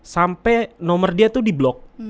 sampai nomor dia tuh di blok